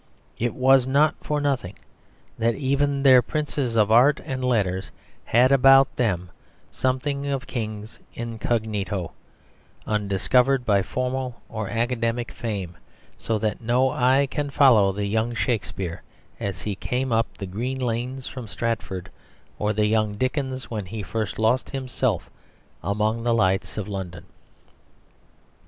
It was not for nothing that even their princes of art and letters had about them something of kings incognito, undiscovered by formal or academic fame; so that no eye can follow the young Shakespeare as he came up the green lanes from Stratford, or the young Dickens when he first lost himself among the lights of London.